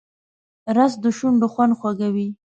رس د شونډو خوند خوږوي